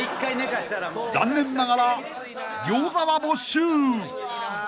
［残念ながら餃子は没収］